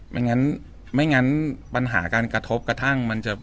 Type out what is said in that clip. ไม่งั้นไม่งั้นปัญหาการกระทบกระทั่งมันจะ